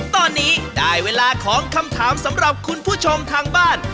ตอนนี้ได้เวลาของคำถามสำหรับคุณผู้ชมทางบ้าน